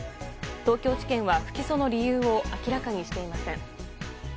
東京地検は不起訴の理由を明らかにしていません。